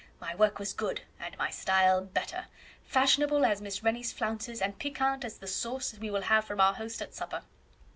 My work was good, and my style better, fashionable as Miss Rennie's flounces, and piquant as the sauce we will have from our host at supper."